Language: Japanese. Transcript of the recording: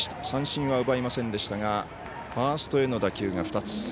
三振は奪いませんでしたがファーストへの打球が２つ。